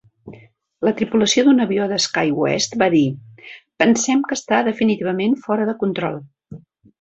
La tripulació d'un avió de Skywest va dir: "Pensem que està definitivament fora de control".